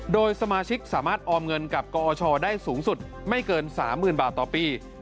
โดยสมาชิกสามารถออมเงินกับกอชได้สูงสุดไม่เกิน๓๐๐๐บาทต่อปี